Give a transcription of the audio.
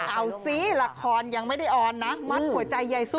เอาสิละครยังไม่ได้ออนนะมัดหัวใจยายสุ